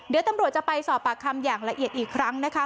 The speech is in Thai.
เดี๋ยวตำรวจจะไปสอบปากคำอย่างละเอียดอีกครั้งนะคะ